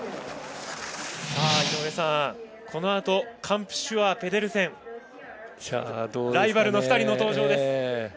井上さん、このあとカンプシュアーとペデルセンライバルの２人の登場です。